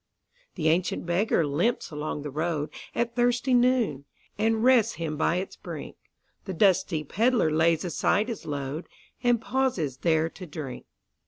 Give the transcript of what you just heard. The ancient beggar limps along the roadAt thirsty noon, and rests him by its brink; The dusty pedlar lays aside his load, And pauses there to drink.